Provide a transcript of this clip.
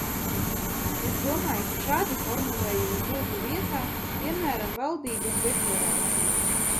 Es domāju, ka šādi formulējumi būtu vietā, piemēram, valdības deklarācijā.